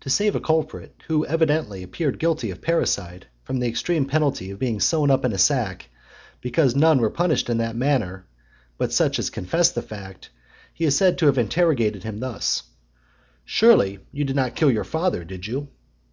To save a culprit, who evidently appeared guilty of parricide, from the extreme penalty of being sewn up in a sack, because none were punished in that manner but such as confessed the fact, he is said to have interrogated him thus: "Surely you did not kill your father, did you?"